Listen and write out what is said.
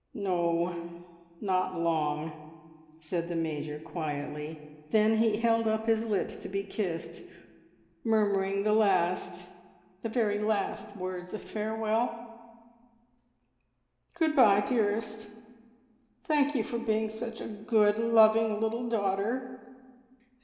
"No, not long," said the Major quietly. Then he held up his lips to be kissed, murmuring the last, the very last words of farewell, "Good bye, dearest. Thank you for being such a good, loving little daughter!"